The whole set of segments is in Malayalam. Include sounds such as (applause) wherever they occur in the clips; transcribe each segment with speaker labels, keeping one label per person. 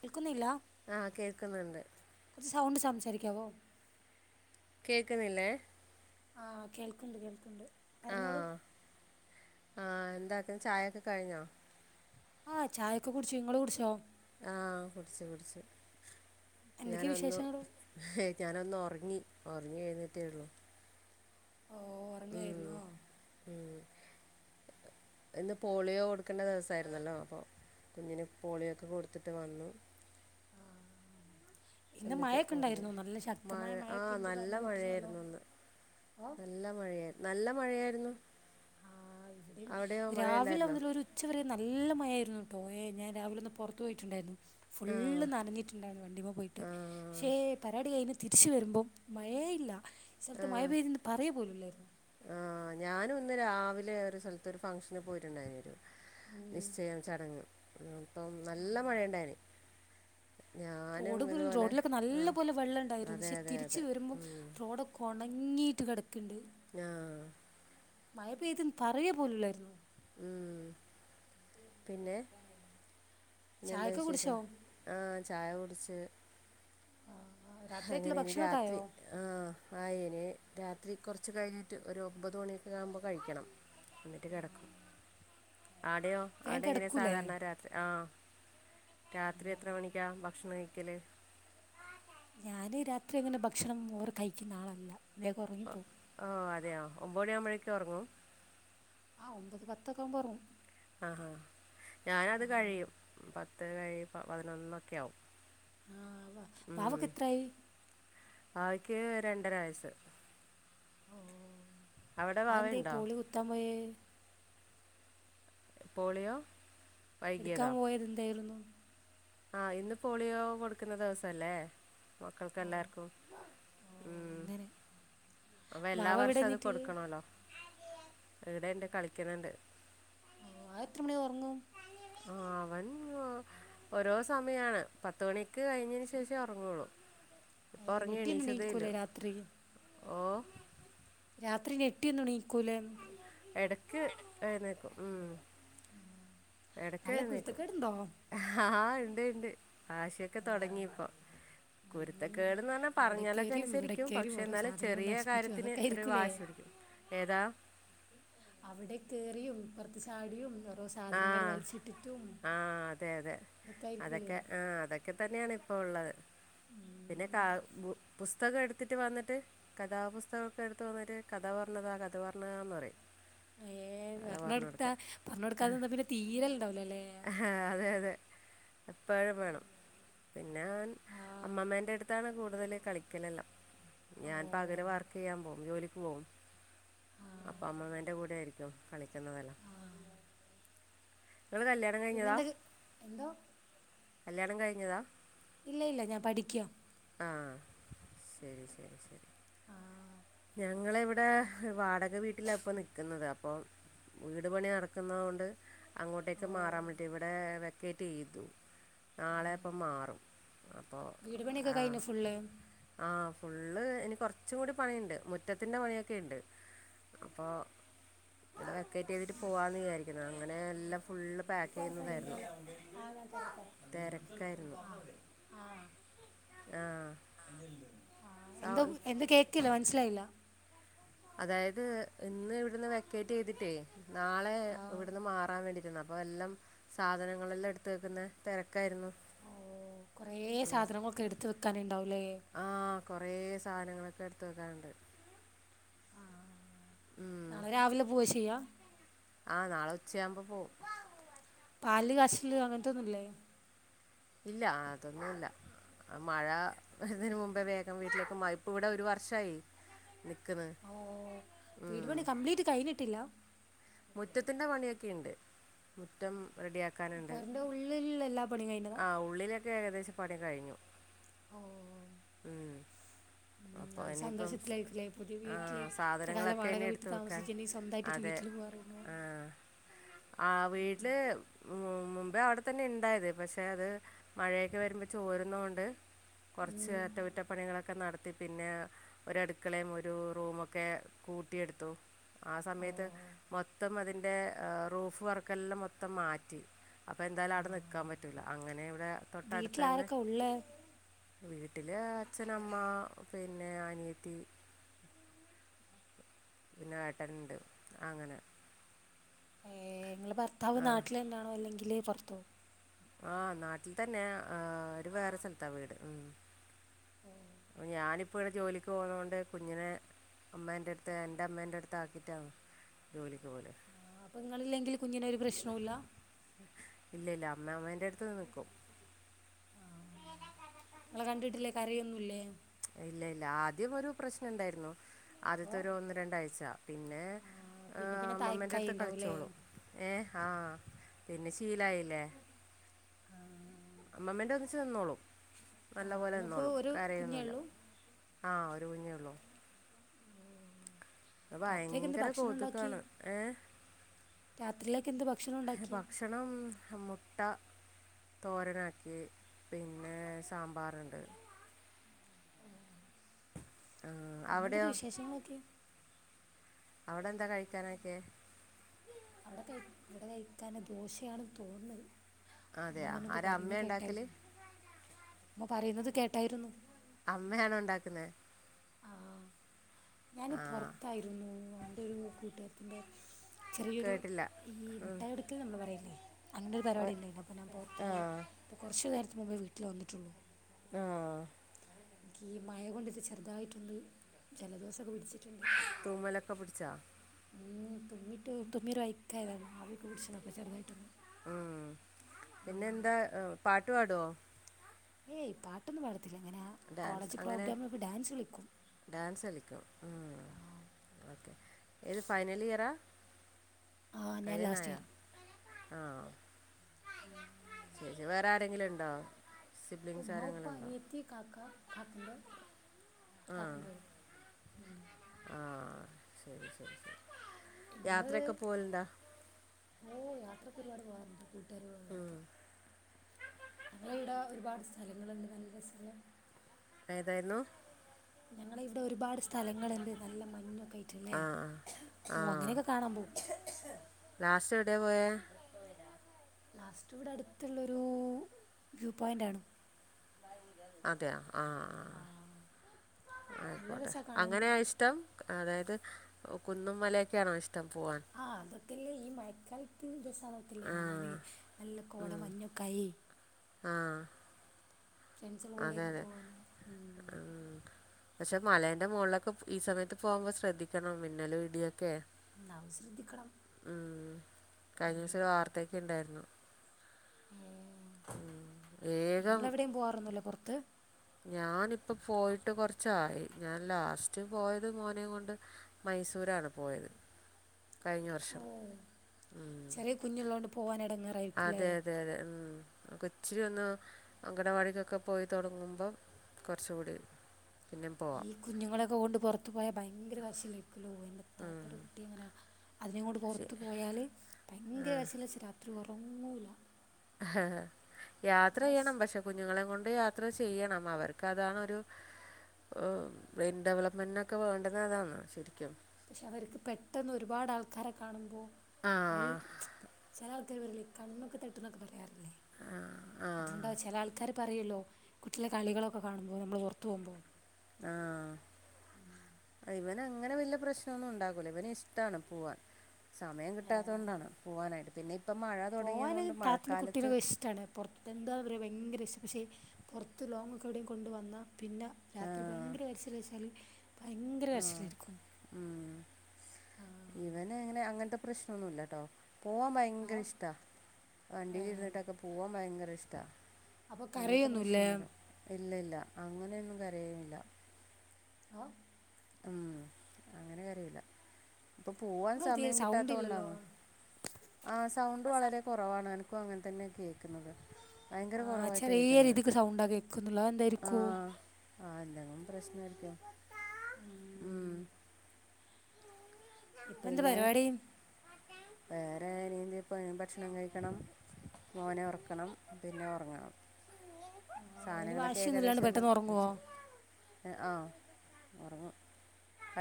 Speaker 1: കേൾക്കുന്നില്ല
Speaker 2: ആ കേൾക്കുന്നുണ്ട്
Speaker 1: സൗണ്ടിൽ സംസാരിക്കാവോ
Speaker 2: കേക്കുന്നില്ലേ
Speaker 1: ആഹ് കേക്കുണ്ട് കേക്കണ്ട് പറഞ്ഞോളൂ
Speaker 2: ആഹ് എന്തായൊക്കെ ചായൊക്കെ കഴിഞ്ഞോ
Speaker 1: ആഹ് ചായൊക്കെ കുടിച്ചു ഇങ്ങള് കുടിച്ചോ
Speaker 2: ആഹ് കുടിച്ചു കുടിച്ചു
Speaker 1: എന്തൊക്കെയാ
Speaker 2: ഞാനൊന്ന്
Speaker 1: വിശേഷങ്ങൾ
Speaker 2: ഞാനൊന്ന ഒറ- ഒറങ്ങി എഴുനേറ്റതേയുള്ളൂ
Speaker 1: ഓ ഒറങ്ങായിരുന്നോ
Speaker 2: ഉം. ഇന്ന് പോളിയോ കൊടുക്കേണ്ട ദെവസായിരുന്നല്ലോ അപ്പൊ കുഞ്ഞിന് പോളിയോക്കെ കൊടുത്തിട്ട് വന്നു
Speaker 1: ആ ഇന്ന്
Speaker 2: എന്നിട്ട്
Speaker 1: മഴയൊക്കെ
Speaker 2: ഓറങ്ങി
Speaker 1: ഉണ്ടായിരുന്നു നല്ല
Speaker 2: മഴ
Speaker 1: ശക്തമായ മഴയൊക്കെ
Speaker 2: ആഹ്
Speaker 1: ഉണ്ട്
Speaker 2: നല്ല
Speaker 1: പറഞ്ഞ് കേട്ടിരുന്നല്ലോ
Speaker 2: മഴയായിരുന്നു ഇന്ന്
Speaker 1: ഓ
Speaker 2: നല്ല മഴയായി നല്ല മഴയായിരുന്നു
Speaker 1: ആഹ് ഇവിടെയും
Speaker 2: അവിടെയോ മഴ
Speaker 1: രാവിലെ
Speaker 2: ഉണ്ടായിരുന്നോ
Speaker 1: മൊതല് ഒരു ഉച്ചവരെ ന - നല്ല മയമായിരുന്നു കേട്ടോ ഏ ഞാൻ രാവിലെ ഒന്ന് പൊറത്ത് പോയിട്ടുണ്ടായിരുന്നു
Speaker 2: ആ
Speaker 1: ഫുള്ള് നനഞ്ഞിട്ടുണ്ടായിരുന്നു വണ്ടിമ്മെ പോയിട്ട്
Speaker 2: ആ
Speaker 1: പക്ഷേ പരാടി കയ്ഞ് തിരിച്ച് വെരുമ്പം മഴേ ഇല്ല ഈ സ്ഥലത്ത് മഴ
Speaker 2: ആ
Speaker 1: പെയതെന്ന് പറയ പോലുല്ലായിരുന്നു
Speaker 2: ആ ഞാനുന്ന് രാവിലെ ഒരു സ്ഥൽത്ത് ഒരു ഫംഗ്ഷന് പോയിട്ടുണ്ടായിന്നൊരു നിശ്ചയം ചടങ് അപ്പം നല്ല മഴണ്ടായിന്ന്
Speaker 1: റോഡും റോഡ്ലൊക്കെ നല്ലപോലെ വെള്ളം ണ്ടായിരുന്നു
Speaker 2: അതെ
Speaker 1: പക്ഷെ
Speaker 2: അതെ
Speaker 1: തിരിച്ചു
Speaker 2: അതെ
Speaker 1: വെരുമ്പം
Speaker 2: ഉം.
Speaker 1: റോഡോക്കൊ ണങ്ങിട്ട് കെടക്ക്ണ്ട്
Speaker 2: ആ
Speaker 1: മയ പെയ്ത്ന്ന് പറയ പോലുല്ലായിര്ന്നു
Speaker 2: ഉം പിന്നെ പിന്നെന്താ
Speaker 1: ചായയൊക്കെ
Speaker 2: വിശേഷം
Speaker 1: കുടിച്ചോ
Speaker 2: ആ ചായ കുടിച്ച്
Speaker 1: ആ
Speaker 2: അങ്ങനെ
Speaker 1: രാത്രിയൊക്കെയുള്ള
Speaker 2: ഇനി
Speaker 1: ഭക്ഷണമൊക്കെ
Speaker 2: രാത്രി
Speaker 1: ആയോ
Speaker 2: ആ ആയിനി രാത്രി കൊർച്ച് കയ്ഞ്ട്ട് ഒരു ഒമ്പത് മണിയൊക്കാവുമ്പോ കഴിക്കണം ന്ന്ട്ട് കെടക്കും ആടെയോ
Speaker 1: വേഗം
Speaker 2: ആടെങ്ങനെയാ
Speaker 1: കിടക്കൂലേ
Speaker 2: സാധാരണ രാത്രി ആ രാത്രി എത്ര മണിക്കാ ഭക്ഷണം കഴിക്കല്
Speaker 1: ഈ രാത്രി അങ്ങനെ ഭക്ഷണം ഓറ് കയ്ക്ക്ണ ആളല്ല വേഗം ഉറങ്ങിപ്പോവും
Speaker 2: ആ അതെയോ ഒമ്പണിയാവുമ്പോഴേക്കൊറങ്ങും
Speaker 1: ആ ഒമ്പത് പത്ത്ക്കാവുമ്പൊറങ്ങും
Speaker 2: ആഹാ ത്ത് കഴി പതിനൊന്നൊക്കാവും
Speaker 1: ആ വ വാവക്കെത്രായി
Speaker 2: ക്ക് രണ്ടര വയസ്സ് അവിടെ
Speaker 1: അന്തെ
Speaker 2: ബാവയുണ്ടോ
Speaker 1: കോള് കുത്താ പോയെ
Speaker 2: പോളിയോ
Speaker 1: ഇട്ക്കാൻ
Speaker 2: വൈകിയതോ
Speaker 1: പോയതെന്തേര്ന്നു
Speaker 2: ആ ഇന്ന് പോളിയോ കൊടുക്കുന്ന ദേവസല്ലേ
Speaker 1: ഓ
Speaker 2: മക്കക്കെല്ലാർക്കും
Speaker 1: ഓ
Speaker 2: ഉം
Speaker 1: അങ്ങനെ
Speaker 2: അപ്പൊ എല്ലാ
Speaker 1: വാവ ഇവിടെ
Speaker 2: വർഷം അത്
Speaker 1: എന്നിട്ട്
Speaker 2: കൊടുക്കണല്ലോ ഇവിടെ ഇണ്ട് കളിക്കണണ്ട്
Speaker 1: ഓഹ് ആത് എത്ര മണി ഒറങ്ങും
Speaker 2: ആവൻ ന് ഓരോ സമയാണ് പത്ത് മണിക്ക് കഴിഞ്ഞെന് ശേഷെ ഒറങ്ങുളൂ. ഇപ്പൊ
Speaker 1: ഏ
Speaker 2: ഒറങ്ങി
Speaker 1: ഞെട്ടിയൊന്നും
Speaker 2: എണീച്ചതെ ഇല്ല.
Speaker 1: എണീക്കൂലേ രാത്രി
Speaker 2: ഓ
Speaker 1: രാത്രി ഞെട്ടിഒന്നും എണീക്കൂലെ.?
Speaker 2: എടക്ക് എഴുന്നേക്കും ഉം
Speaker 1: നല്ല
Speaker 2: എടക്ക്ഴുന്നേക്കും
Speaker 1: കുരുത്തക്കേടുണ്ടോ
Speaker 2: ഇണ്ട് ഇണ്ട് വാശിക്കെ തുടങ്ങിപ്പോ കുരുത്ത
Speaker 1: ഉം
Speaker 2: കേട്ന്ന് പറഞ്ഞാ
Speaker 1: അവിടെ
Speaker 2: പറഞ്ഞാലൊക്കെ
Speaker 1: കയറിയും ഇവിടെ
Speaker 2: അനുസരിക്കും
Speaker 1: കയറിയും
Speaker 2: പക്ഷെ
Speaker 1: ഓരോ
Speaker 2: എന്നാല്
Speaker 1: സാധനങ്ങൾ
Speaker 2: ചെറിയ
Speaker 1: നശിപ്പിച്ചു
Speaker 2: കാര്യത്തിന്
Speaker 1: അതൊക്കെ
Speaker 2: ഒരു
Speaker 1: ആയിരിക്കൂലേ
Speaker 2: വാശി പിടിക്കും. ഏതാ
Speaker 1: അവിടെ കേറിയും ഇപ്പർത് ചാടിയും ഉംണ്ടാ
Speaker 2: ആഹ് ആഹ് അതെ അതെ
Speaker 1: ഇതൊക്കെ ആയിരിക്കൂലേ
Speaker 2: അതൊക്കെ ആഹ് അതൊക്കെ തന്നെയാണ് ഇപ്പൊള്ളത് പിന്നെ
Speaker 1: ഉം
Speaker 2: കാ ബു പുസ്തകം എടുത്തിട്ട് വന്നിട്ട് കഥാപുസ്തകൊക്കെ എടുത്ത് വന്നിട്ട് കഥ പർണ്താ കഥ പർണ്താ എന്ന് പറയും.
Speaker 1: ഏഹ്
Speaker 2: കഥ പറഞ്ഞു
Speaker 1: പർണോടുത്ത
Speaker 2: കൊടുക്കാൻ
Speaker 1: പർണോടുക്കാതിന്ന പിന്നെ തീരെ ഉണ്ടാവൂലല്ലേ
Speaker 2: അതെ അതെ എപ്പഴും വേണം. പിന്നെ അവൻ
Speaker 1: ആ
Speaker 2: അമ്മമ്മേന്റെ എടുത്താണ് കൂടുതല് കളിക്കലെല്ലം.
Speaker 1: ഓ
Speaker 2: ഞാൻ പകല് വർക്കെയ്യാൻ പോം ജോലിക്ക് പോവും. അപ്പ അമ്മമെന്റെ കൂടെ ആരിക്കും കളിക്കുന്നതെല്ലാം
Speaker 1: ആ
Speaker 2: ഇങ്ങള് കല്യാണം കഴിഞ്ഞതാ.?
Speaker 1: പിന്നെന്തൊക്കെ എന്തോ
Speaker 2: കല്യാണം കഴിഞ്ഞതാ.?
Speaker 1: ഇല്ല ഇല്ല ഞാൻ പഠിക്ക്യ.
Speaker 2: ആ ശരി ശരി ശരി.
Speaker 1: ആഹ്
Speaker 2: ഞങ്ങളിവിടെ വാടക വീട്ടിലാപ്പൊ നിക്ക്‌ന്നത് അപ്പൊ. വീട് പണി നടക്കുന്നോണ്ട് അങ്ങോട്ടേക്ക്
Speaker 1: ഓ
Speaker 2: മാറാൻ പറ്റി ഇവിടെ വെക്കേറ്റ് യ്തു. നാളെപ്പം മാറും. അപ്പോൾ
Speaker 1: വീട് പണിഒക്കെ
Speaker 2: ആ
Speaker 1: കഴിഞ്ഞോ ഫുള്ള്.?
Speaker 2: ആ ഫുള്ള് ഇനി കുറച്ചുടി പണിയ്ണ്ട് മുറ്റത്തിൻ്റെ പണിയൊക്കെയിണ്ട് അപ്പോ. വ്ടെ വെക്കേറ്റ് എഴ്തിട്ട് പോവാന്ന് വിചാരിക്ക്‌ന്ന് അങ്ങനെ എല്ലം
Speaker 1: ആഞാ തെര തെര ആ ആഹ് (unintelligible)
Speaker 2: ആഹ.
Speaker 1: ആ എന്തവ് എന്ത് കേൾക്കില്ല മനസ്സിലായില്ല.?
Speaker 2: അതായത് ഇന്ന് ഇവിടുന്ന് വെക്കേറ്റ് ചെയ്തിട്ടേ നാളെ
Speaker 1: ആഹ്
Speaker 2: ഇവിടുന്ന് മാറാ വേണ്ടിട്ടന്ന (unintelligible) എല്ലം സാധനങ്ങളെല്ലാം എടുത്തു വെക്കുന്ന തെരക്കായിരുന്നു.
Speaker 1: ഓ കുറേ
Speaker 2: മ്
Speaker 1: സാധനങ്ങളൊക്കെ എടുത്ത് വെക്കാനുണ്ടാവൂലേ
Speaker 2: ആഹ് കൊറെ സാനങ്ങളോ (unintelligible) എടുത്ത് വെക്കാൻണ്ട്.
Speaker 1: ആഹ് നാളെ രാവിലെ പൂവാ ചെയ്യ.?
Speaker 2: ആഹ് നാളെ ഉച്ചയാവുമ്പോ പോം.
Speaker 1: പാൽന്റെ കാശ് ല് അങ്ങനതൊന്നുല്ലേ.?
Speaker 2: ഇല്ല അതൊന്നുല്ല. ആ മഴതിന് മുമ്പേ വേഗം വീട്ടിലേക്ക് മയ് ഇപ്പ വടെ ഒരു വർഷയി നി
Speaker 1: ഓ വീട്പണി കംപ്ലീറ്റ് കഴിഞ്ഞിട്ടില്ല.?
Speaker 2: മുറ്റത്തിന്റെ പണിയൊക്കെയിണ്ട് മുറ്റം റെഡിയാക്കാന്ണ്ട്
Speaker 1: പൊരന്റെ ഉള്ളിലുള്ള എല്ലാ പണിയും കഴിഞ്ഞതാ
Speaker 2: ആ ഉള്ളിലെക്കെ ഏകദേശ പണി കഴിഞ്ഞു.
Speaker 1: ഓ
Speaker 2: ഉം.
Speaker 1: ഉം
Speaker 2: അപ്പൊ
Speaker 1: ആ ഒരു
Speaker 2: എനിയിപ്പം സ്
Speaker 1: സന്തോഷത്തിലായിരിക്കുംല്ലേ പുതിയ വീട്ടില്
Speaker 2: ആഹ
Speaker 1: ഇത്ര കാലം
Speaker 2: സാധനങ്ങളൊക്കെ
Speaker 1: വാടക
Speaker 2: ഇനി
Speaker 1: വീട്ടിൽ
Speaker 2: എടുത്തു വെക്കാൻ
Speaker 1: താമസിച്ചിനി സ്വന്തായിട്ടൊരു
Speaker 2: അതെ.
Speaker 1: വീട്ടില് പോവാറിയുമ്പോ
Speaker 2: ആഹ ആ വീട്ട്ല് മ മുമ്പേ അവിടെ തന്നെ ഇണ്ടായത് പക്ഷെ അത് മഴയൊക്കെ വരുമ്പോ ചോരുന്നോണ്ട് കൊറച്ച് അറ്റകുറ്റപ്പണികളൊക്കെ നടത്തി പിന്നെ ഒരടുക്കളേം ഒരു റൂമൊക്കെ കു കൂട്ടിയെടുത്തു ആ
Speaker 1: ഓ
Speaker 2: സമയത്ത് മൊത്തം അതിന്റെ ആ റൂഫ് വർക്കെല്ലം മൊത്തം മാറ്റി. അപ്പൊ എന്തായാലും അവിടെ
Speaker 1: ആഹ്
Speaker 2: നിക്കാൻ പറ്റൂല അങ്ങനെ ഇവിടെ തൊട്ടടുത്ത് ന്നെ
Speaker 1: വീട്ടിലാരൊക്കെ ഉള്ളേ
Speaker 2: വീട്ടില് അച്ഛനമ്മ പിന്നെ അനിയത്തി പിന്നെ ഏട്ടനിണ്ട് അങ്ങനെ
Speaker 1: നിങ്ങള ഭർത്താവ്
Speaker 2: ആ
Speaker 1: നാട്ടിലെ എന്താണോ അല്ലെങ്കില് പുറത്തോ
Speaker 2: ആഹ് നാട്ടിൽ തന്നെ ആഹ് ഒരു വേറെ സ്ഥലത്താ വീട് ഉം ഞാനിപ്പ ഇവിടെ ജോലിക്ക് പോന്ന കൊണ്ട് കുഞ്ഞിനെ അമ്മ്ന്റെ അടുത്ത് എന്റെ അമ്മേന്റെ അടുത്ത് ആക്കിട്ടാ ജോലിക്ക് പോലെ
Speaker 1: ആ അപ്പൊ നിങ്ങളില്ലെങ്കിൽ കുഞ്ഞിന ഒരു പ്രശ്നോവില്ല
Speaker 2: ഇല്ല ഇല്ല അമ്മാമ്മേന്റെ അടുത്ത് നിൽക്കും
Speaker 1: ആ നിങ്ങളെ കണ്ടിട്ടില്ലേ കരയൊന്നുല്ലേ
Speaker 2: ഇല്ല ഇല്ല ആദ്യം ഒരു പ്രശ്നം ഉണ്ടായിരുന്നു
Speaker 1: ഓ
Speaker 2: ആദ്യത്തെ ഒരു ഒന്ന് രണ്ടാഴ്ച പിന്നെ
Speaker 1: ആഹ് പിന്നെ പിന്നെ
Speaker 2: അമ്മമ്മേൻ്റെ
Speaker 1: തയക്കായി
Speaker 2: അടുത്ത്
Speaker 1: ഇണ്ടാവുല്ലേ
Speaker 2: കളിച്ചോളൂ ഏഹ് ആഹ് പിന്നെ ശീലായില്ലേ
Speaker 1: ആഹ്
Speaker 2: അമ്മമ്മേന്റെ ഒന്നിച്ചച്ച് നിന്നോളും നല്ല
Speaker 1: ആഹ്
Speaker 2: പോലെ
Speaker 1: ഇങ്ങക്ക്
Speaker 2: നിന്നോളും
Speaker 1: ഒരു കുഞ്ഞേ
Speaker 2: കരയൊന്നുല്ല
Speaker 1: ഉള്ളൂ
Speaker 2: ആ കുഞ്ഞേള്ളൂ
Speaker 1: ഓ രാത്രിയൊക്കെ എന്താ
Speaker 2: ഭയങ്കര
Speaker 1: ഭക്ഷണം ഉണ്ടാക്കിയേ
Speaker 2: കോതുകാണ് ഏഹ്
Speaker 1: രാത്രിയിലേക്ക് എന്ത് ഭക്ഷണം ഉണ്ടാക്കി
Speaker 2: ഭക്ഷണം മുട്ട തോരനാക്കി പിന്നെ സാമ്പാറുണ്ട് ആ,
Speaker 1: പിന്നെന്തൊക്കെ
Speaker 2: അവിടെയോ
Speaker 1: വിശേഷങ്ങളൊക്കെ
Speaker 2: അവിടെ എന്താ കഴിക്കാനൊക്കെ
Speaker 1: അവിടെ ക ഇവിടെ കഴിക്കൻ ദോശയാണ് തോന്നുന്നത് ഉമ്മ
Speaker 2: അതെയോ
Speaker 1: അങ്ങനെ എതു
Speaker 2: ആരാ
Speaker 1: പറയുന്നേ
Speaker 2: അമ്മ ഉണ്ടാക്കൽ
Speaker 1: കേട്ടായിരുന്നു ഉമ്മ പറയുന്നത് കേട്ടായിരുന്നു
Speaker 2: അമ്മയാണോ ഒണ്ടാക്കുന്നെ
Speaker 1: ആ ഞാൻ പൊറത്തായിരുന്നു എന്റെ ഒരു കൂട്ടുകാരിത്തിന്റ ചെറിയൊരു
Speaker 2: കേട്ടില്ല
Speaker 1: ഈ
Speaker 2: ഉം.
Speaker 1: മുട്ടായൊടുക്കൽന്ന് നമ്മള് പറയില്ലേ അങ്ങനെ ഒരു പരിപാടി
Speaker 2: ഒ-
Speaker 1: ഉണ്ടായിരുന്നു അപ്പൊ ഞാൻ പുറത്തു
Speaker 2: ആ
Speaker 1: പോയി ഇപ്പൊ കൊറച്ചു നേര മുമ്പേ വീട്ടിൽ വന്നിട്ടുള്ളു
Speaker 2: ആ
Speaker 1: എനിക്ക് ഈ മഴകൊണ്ടി ചെറുതായിട്ടൊ ജലദോഷം
Speaker 2: തുമലൊക്കെ പിടിച്ചാ
Speaker 1: മ് തുമ്മിട്ട് തുമ്മി ഒരു വയ്ക്കായതാണ് ആവി ഒക്കെ പിടിച്ചതാ ചെറതായിട്ടൊന്ന്
Speaker 2: ഉം പിന്നെ എന്താ പാട്ട്പാടുവോ
Speaker 1: ഏയ് പാട്ടൊന്നും പാടു ആ
Speaker 2: ഡാൻസ്
Speaker 1: കോളേജ്
Speaker 2: അങ്ങനെ
Speaker 1: പ്രോഗ്രമിലൊക്കെ ഡാൻസ് കളി
Speaker 2: ഡാൻസ് കളിക്കും മ് ഓക്കെ ഏത് ഫൈനൽ ഇയറാ
Speaker 1: ആ ഞാൻ ലാസ്റ്റ്
Speaker 2: കയിനായ
Speaker 1: ഇയർ
Speaker 2: ആ (unintelligible) വേറെ ആരെങ്കിലും ഇണ്ടോ
Speaker 1: ഉമ്മ ഉപ്പ അനിയത്തി കാക്ക കാക്കെന്റെ
Speaker 2: ആ
Speaker 1: കാക്കന്റോളും
Speaker 2: ആ ശരി ശരി ശരി
Speaker 1: ഞങ്ങൾ
Speaker 2: യാത്രയൊക്കെ പോവലിണ്ടാ
Speaker 1: യാത്രൊക്കെ ഒരുപാട് പോകാറുണ്ട് കൂട്ടുകാരികളും
Speaker 2: ഉം.
Speaker 1: ഇടൊക്കെ ഞങ്ങളിവടെ ഒരുപാട് സ്ഥലങ്ങളുണ്ട് നല്ല രസല്ല
Speaker 2: ഏതായിരുന്നു
Speaker 1: ഞങ്ങള് ഇവിടെ ഒരുപാട് സ് ഥലങ്ങളിണ്ട് നല്ല മഞ്ഞൊക്കെ ആയിട്ടുള്ളേ
Speaker 2: ആ
Speaker 1: അപ്പൊ
Speaker 2: ആ
Speaker 1: അങ്ങനെയൊക്കെ കാണാൻ പോവും
Speaker 2: എവടെയാ പോയെ
Speaker 1: ലാസ്റ്റ് ഇവടെ അടുത്തുള്ളൊരു വ്യൂ പോയിന്റ് ആണ്
Speaker 2: അതെയ ആ
Speaker 1: നല്ല
Speaker 2: ആയിക്കോട്ടെ
Speaker 1: രസമാണ് കാണാൻ
Speaker 2: അങ്ങനെയ ഇഷ്ടം അതായത് കുന്നും മലയൊക്കെയാണോ ഇഷ്
Speaker 1: ആ അതൊക്കെല്ലേ ഈ മഴക്കാലത്ത് രസ (unintelligible)
Speaker 2: ആ
Speaker 1: കാണന് നല്ല കോട മഞ്ഞക്കായി
Speaker 2: ആ അതെ
Speaker 1: കൂടെയൊക്കെ
Speaker 2: അതെ
Speaker 1: പോവാനും
Speaker 2: ഉം പക്ഷെ മലന്റെ മുകളിലൊക്കെ ഈ സമയത്ത് പോകുമ്പോൾ ശ്രദ്ധിക്കണം മിന്നലും ഇടിയ ക്കെ
Speaker 1: ഇണ്ടാവും ശ്രദ്ധിക്കണം
Speaker 2: ഉം കഴിഞ്ഞ ദിവസൊരു വാർത്തക്കെ ഇണ്ടായിരുന്നു
Speaker 1: ഏ
Speaker 2: വേഗം
Speaker 1: നിങ്ങെളെവിടെയും പോവാറൊന്നൂല്ലോ പൊറത്ത്
Speaker 2: ഞാനിപ്പോൾ പോയിട്ട് കൊറച്ചായി ഞാൻ ലാസ്റ്റ് പോയത് മോനം കൊണ്ട് മൈസൂ രാണ് പോയത് കഴിഞ്ഞ വർഷം
Speaker 1: ഓഹ്
Speaker 2: മ്
Speaker 1: ചെറിയ കുഞ്ഞുള്ളോണ്ട് പോവാൻ എടങ്ങേറായിരിക്കുല്ലേ
Speaker 2: അതെ അതെ അതെ ഉം കൊച്ച് ഒന്ന് അങ്കണവാടിക്കൊക്കെ പോയി തുടങ്ങുമ്പോ കൊറച്ച് കൂടി
Speaker 1: ഈ കുഞ്ഞുങ്ങളൊക്കെ കൊണ്ട് പുറത്തു പോയാൽ ഭയങ്കര വാശി അല്ലെ എന്റെ
Speaker 2: ഉം.
Speaker 1: താത്തയുടെ കുട്ടി എങ്ങനാ അതിനെ കൊണ്ട്
Speaker 2: ശ-
Speaker 1: പൊറത്തു പോയാല് ഭയങ്കര വാശിയല്ലേച്ചാൽ രാത്രി ഉറ
Speaker 2: ആ യാത്ര ചെയ്യണം
Speaker 1: വാശി
Speaker 2: പക്ഷെ കുഞ്ഞുങ്ങളെ കൊ ണ്ട് യാത്ര ചെയ്യണം അവർക്ക് അതാണ് ഒരു ഓ ബ്രെയിൻ ഡെവലപ്മെന്റ്നൊക്കെ വേണ്ടത് അതാണ് ശരിക്കും
Speaker 1: പക്ഷെ അവർക്ക് പെട്ടെന്ന് ഒരുപാട് ആൾക്കാരെ കാണുമ്പോ
Speaker 2: ആ
Speaker 1: അവര് ചെല ആൾ (unintelligible) കണ്ണൊക്കെ തട്ടുമെന്ന് പറയാറില്ലേ
Speaker 2: ആ ആ
Speaker 1: അതുകൊണ്ട് ചെല ആൾക്കാര് പറയല്ലോ കുട്ടിള് കളികളൊക്കെ കാണുമ്പോ നമ്മള് പൊറത്തു പോറത്തുമ്പോ
Speaker 2: ആ ഇവന് അങ്ങനെ വലിയ പ്രശ്നമൊന്നും ഉണ്ടാകൂല ഇവന് ഇഷ്ടാണ് പോവാൻ സമയം കിട്ടാത്തതോണ്ടാണ് പോവാനായിട്ട് പിന്നേം
Speaker 1: പോകാന് താത്തിന്റെ കുട്ടീകൊക്ക് ഇഷ്ടണ് പുറത്ത് എന്താ പറയാ ഭയങ്കര ഇഷ്ട പക്ഷേ പുറത്ത് ലോങ്ങൊക്കെ എവിടെയും കൊണ്ട് വന്നാൽ പിന്നെ
Speaker 2: ആ
Speaker 1: രാത്രി ഭയങ്കര കരിച്ചിൽ വെച്ചാൽ ഭയങ്കര
Speaker 2: ആ
Speaker 1: കരച്ചിലാരിക്കും
Speaker 2: ഉം.
Speaker 1: ആഹ്
Speaker 2: പ്രശ്നമൊന്നുല്ലട്ടോ, പോവാൻ
Speaker 1: ആ
Speaker 2: ഭയങ്കര ഇഷ്ട്ടാ
Speaker 1: ഏ,
Speaker 2: വണ്ടീല് ഇര്ന്നിട്ടൊക്കെ പോവാൻ ഭയങ്കര സ് ട്ടാ
Speaker 1: അപ്പ കരയൊന്നുല്ലേ?
Speaker 2: ഇല്ല ഇല്ല അങ്ങനെന്നും കരയോന്നുല്ല
Speaker 1: ആഹ്
Speaker 2: ഉം അങ്ങനെ കരയൂല ഇപ്പോ പോവാൻ
Speaker 1: നിങ്ങൾ തീരെ
Speaker 2: സമയം കിട്ടാത്ത
Speaker 1: സൗണ്ട് ഇല്ലല്ലോ
Speaker 2: കൊണ്ടാണ് ആഹ് സൗണ്ട് വളരെ കോറവാണ് ഇപ്പം അങ്ങൻതന്നെ കേക്ക്ന്നത്
Speaker 1: ആഹ് ചെറീയ രീതിക്ക് സൗണ്ടാ കേക്ന്നുള്ളൂ അഹ് എന്തായിരിക്കും?
Speaker 2: ആഹ് എന്തെങ്കും പ്രശ്ന ആയിരിക്കും ഉം
Speaker 1: ഇപ്പ ന്താ
Speaker 2: പിന്നെ
Speaker 1: പരിപാടി
Speaker 2: വേറെ ഇനീന്തെപ്പോ ഭക്ഷണം കഴിക്കണം മോനെ ഒർക്കണം പിന്നെ ഒർങ്ങണം
Speaker 1: ആഹ് അവന്
Speaker 2: സാനങ്ങളൊക്കെ
Speaker 1: വാശിയൊന്നുല്ലാണ്ട്
Speaker 2: ഏകദേശം എല്ലം
Speaker 1: പെട്ടെന്ന് ഒറങ്ങുവോ?
Speaker 2: ആഹ് ഒർങ്ങും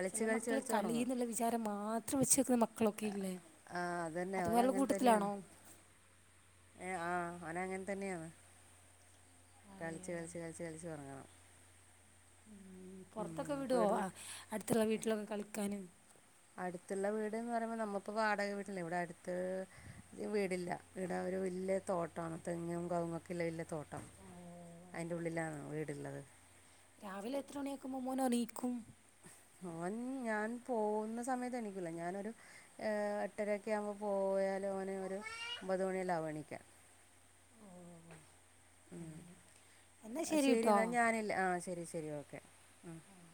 Speaker 1: ചെല മക്കള് കളിന്ന്ള്ള വിചാരം മാത്രം വെച്ച് ക്കളൊക്കെ ഇല്ലേ
Speaker 2: ആ തന്നെ
Speaker 1: അത് പോലെ കൂട്ടത്തിലാണോ
Speaker 2: ഏഹ് ആഹ് അവന് അങ്ങൻ തന്നെയാണ് കൾച്ച്
Speaker 1: അയ്യേ.
Speaker 2: കൾച്ച് കൾച്ച് കൾച്ച് ഒറങ്ങണം
Speaker 1: പോർത്തൊക്കെ വിടോ
Speaker 2: ഇവിടുന്ന്
Speaker 1: അട്ത്ത്ള്ള വീട്ടിലൊക്കെ കളിക്കാന്?
Speaker 2: അട്ത്ത്ള്ള വീട് ന്ന് പറയുമ്പോ നമ്മള്പ്പോ വാടക വീട്ടില്ലേ ഇവിടെ അട്ത്ത് വീടില്ല വീ ഒരു വെല്ല്യ തോട്ടാണ് തെങ്ങും കവുങ്ങക്കെള്ള വെല്ല്യ തോട്ടം
Speaker 1: ഓഹ്
Speaker 2: അയ്ന്റെ
Speaker 1: അങ്ങനെ
Speaker 2: ഉള്ളിലാണ് വീട്ള്ളത്
Speaker 1: രാവിലെ എത്ര മണിയാക്കുമ്പോ മോന് എണീക്കും?
Speaker 2: ഓൻ ഞാൻ പോകുന്ന സമയത്ത് എണീക്കൂല ഞാനൊരു എട്ടരൊക്കെ ആവുമ്പോ പോ പോയാലും അവന് ഒരു ഒമ്പത് മണിയെല്ലാമാവും എണീക്കാൻ
Speaker 1: ഓം (unintelligible)
Speaker 2: ശരി എന്നാ ഞാനില്ല ആഹ് ശരി ശരി ഓക്കെ
Speaker 1: ആഹ്